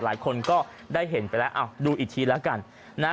หลายคนก็ได้เห็นไปแล้วอ้าวดูอีกทีแล้วกันนะฮะ